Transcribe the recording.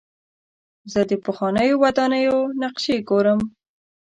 زه د پخوانیو ودانیو نقشې ګورم.